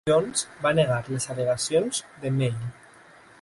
Jones va negar les al·legacions de "Mail".